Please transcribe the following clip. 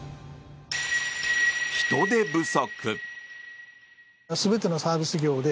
人手不足。